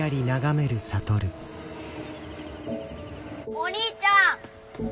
お兄ちゃん。